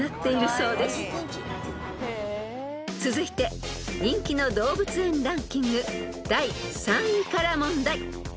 ［続いて人気の動物園ランキング第３位から問題］